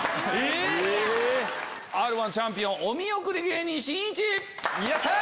チャンピオンお見送り芸人しんいち！よっしゃ！